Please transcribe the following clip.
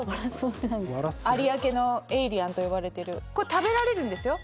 有明のエイリアンと呼ばれてるこれ食べられるんですよ